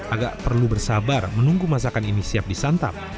agak perlu bersabar menunggu masakan ini siap disantap